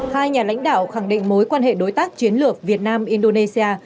hai nhà lãnh đạo khẳng định mối quan hệ đối tác chiến lược việt nam indonesia